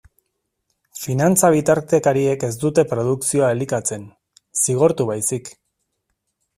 Finantza-bitartekariek ez dute produkzioa elikatzen, zigortu baizik.